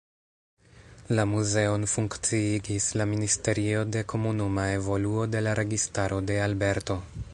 La muzeon funkciigis la Ministerio de Komunuma Evoluo de la Registaro de Alberto.